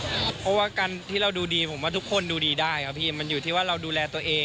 เพราะว่าการที่เราดูดีผมว่าทุกคนดูดีได้ครับพี่มันอยู่ที่ว่าเราดูแลตัวเอง